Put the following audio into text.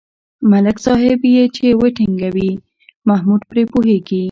ملک صاحب یې چې و ټنگوي محمود پرې پوهېږي.